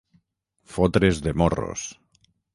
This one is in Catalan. Fotre's de morros.